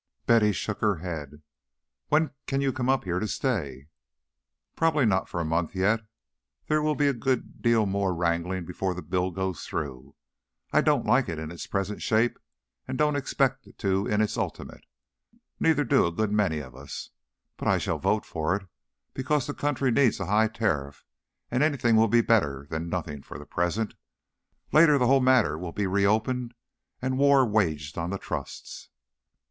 Betty shook her head. "When can you come up here to stay?" "Probably not for a month yet. There will be a good deal more wrangling before the bill goes through. I don't like it in its present shape and don't expect to in its ultimate; neither do a good many of us. But I shall vote for it, because the country needs a high tariff, and anything will be better than nothing for the present. Later, the whole matter will be reopened and war waged on the Trusts."